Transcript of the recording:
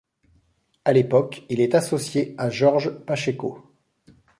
À l'époque, il est associé à Jorge Pacheco.